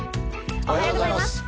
おはようございます。